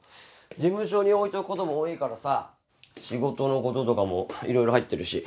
事務所に置いておく事も多いからさ仕事の事とかもいろいろ入ってるし。